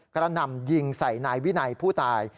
กำลังนำยิงใส่นายวินัยผู้ตาย